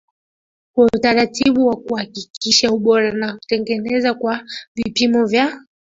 kwa utaratibu wa kuhakikisha ubora na kutegemeka kwa vipimo vya